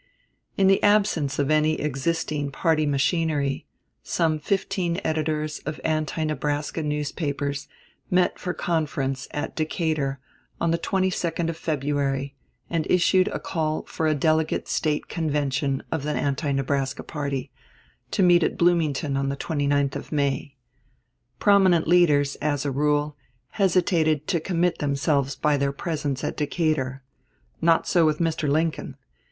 1856. In the absence of any existing party machinery, some fifteen editors of anti Nebraska newspapers met for conference at Decatur on the 22d of February and issued a call for a delegate State convention of the "Anti Nebraska party," to meet at Bloomington on the 29th of May. Prominent leaders, as a rule, hesitated to commit themselves by their presence at Decatur. Not so with Mr. Lincoln.